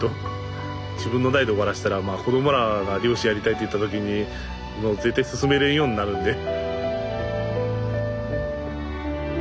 自分の代で終わらせたら子どもらが漁師やりたいと言った時にもう絶対勧めれんようになるんで。